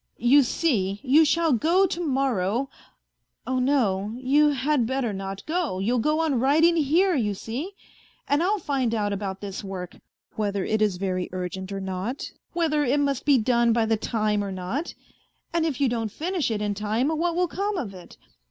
You see, you shall go to morrow. ... Oh no, you had better not go, you'll go on writing here, you see, and I'll find out about this work, whether it is very urgent or not, whether it must be done by the time or not, and if you don't finish it in time what will come of it.